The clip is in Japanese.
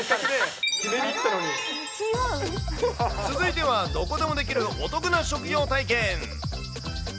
続いては、どこでもできるお得な職業体験。